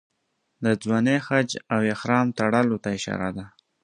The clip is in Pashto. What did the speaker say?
د ځوانۍ حج او احرام تړلو ته اشاره ده.